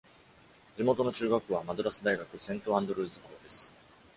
地元の中学校はマドラス大学セントアンドルーズ校です。